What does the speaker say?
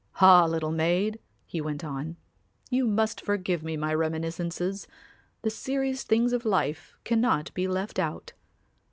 Ah, little maid," he went on, "you must forgive me my reminiscences; the serious things of life cannot be left out."